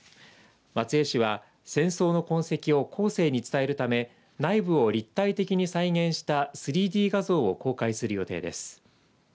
松江市は、戦争の痕跡を後世に伝えるため内部を立体的に再現した３Ｄ画像を公開する予定です。